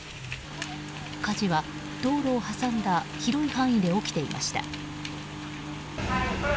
火事は道路を挟んだ広い範囲で起きていました。